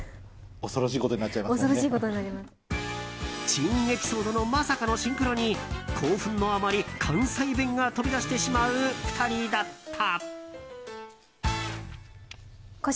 珍エピソードのまさかのシンクロに興奮のあまり関西弁が飛び出してしまう２人だった。